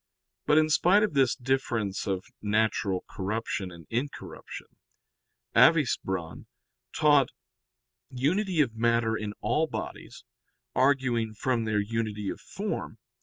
But in spite of this difference of natural corruption and incorruption, Avicebron taught unity of matter in all bodies, arguing from their unity of form.